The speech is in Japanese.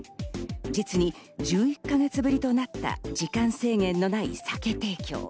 実に１１か月ぶりとなった時間制限のない酒提供。